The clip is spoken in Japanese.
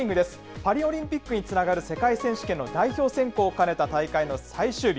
パリオリンピックにつながる世界選手権の代表選考を兼ねた大会の最終日。